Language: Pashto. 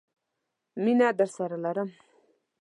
مينه درسره لرم.